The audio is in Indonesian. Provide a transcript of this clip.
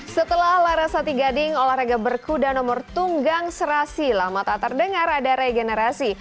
setelah larasati gading olahraga berkuda nomor tunggang serasi lama tak terdengar ada regenerasi